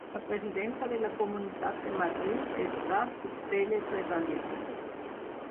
La presidenta de la Comunitat de Madrid està teletreballant